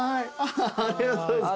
ありがとうございます。